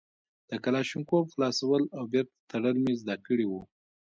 د کلاشينکوف خلاصول او بېرته تړل مې زده کړي وو.